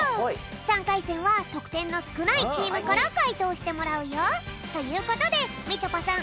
３かいせんはとくてんのすくないチームからかいとうしてもらうよ。ということでみちょぱさん